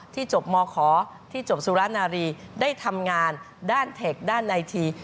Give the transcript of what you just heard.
จบมขอที่จบสุรนารีได้ทำงานด้านเทคด้านในที